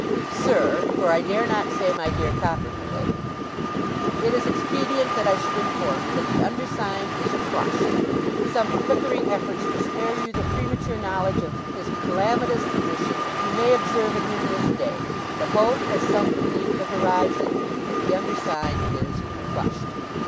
'SIR for I dare not say my dear Copperfield, 'It is expedient that I should inform you that the undersigned is Crushed. Some flickering efforts to spare you the premature knowledge of his calamitous position, you may observe in him this day; but hope has sunk beneath the horizon, and the undersigned is Crushed.